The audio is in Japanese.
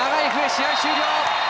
試合終了。